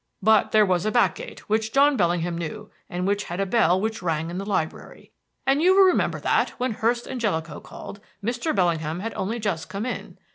But there was a back gate, which John Bellingham knew, and which had a bell which rang in the library. And you will remember that, when Hurst and Jellicoe called, Mr. Bellingham had only just come in.